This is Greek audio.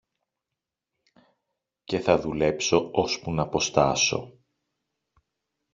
και θα δουλέψω ώσπου ν' αποστάσω.